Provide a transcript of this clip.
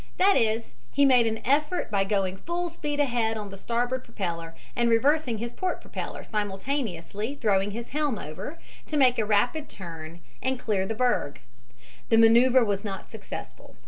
caption = THE LOCATION OF THE DISASTER} he made an effort by going full speed ahead on the starboard propeller and reversing his port propeller, simultaneously throwing his helm over, to make a rapid turn and clear the berg. The maneuver was not successful.